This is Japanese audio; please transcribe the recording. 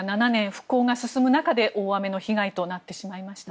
復興が進む中で大雨の被害となってしまいました。